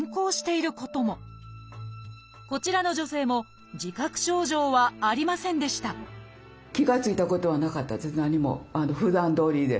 こちらの女性も自覚症状はありませんでしたふだんどおりで。